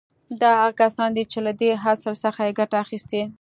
دا هغه کسان دي چې له دې اصل څخه يې ګټه اخيستې.